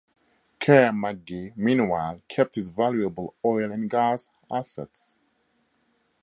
Kerr-McGee, meanwhile, kept its valuable oil and gas assets.